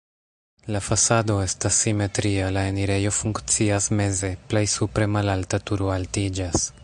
La fasado estas simetria, la enirejo funkcias meze, plej supre malalta turo altiĝas.